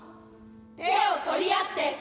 手を取り合って。